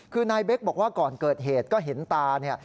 คือนายเบคบอกว่าก่อนเกิดเหตุก็เห็นตาเนี่ย